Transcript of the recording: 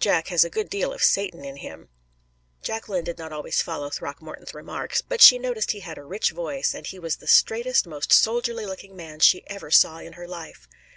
Jack has a good deal of Satan in him." Jacqueline did not always follow Throckmorton's remarks, but she noticed he had a rich voice, and he was the straightest, most soldierly looking man she ever saw in her life.